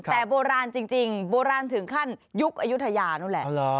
แต่โบราณจริงโบราณถึงขั้นยุคอายุทยานู้นแหละ